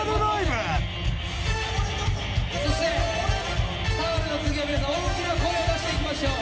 そしてタオルの次は皆さん大きな声を出していきましょう。